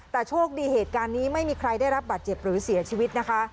แต่โชคดีเหตุการณ์นี้ไม่มีใครได้รับบาดเจ็บหรือเสียชีวิตนะคะ